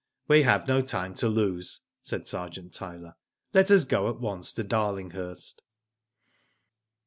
"We have no time to lose," said Sergeant Tyler. "Let us go at once to Darlinghurst."